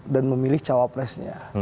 dan memilih cowapresnya